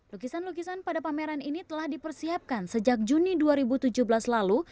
lukisan lukisan pada pameran ini telah dipersiapkan sejak juni dua ribu tujuh belas lalu